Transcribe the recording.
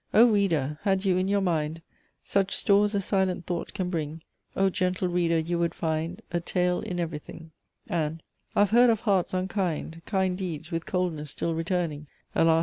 "O Reader! had you in your mind Such stores as silent thought can bring, O gentle Reader! you would find A tale in every thing;" and "I've heard of hearts unkind, kind deeds With coldness still returning; Alas!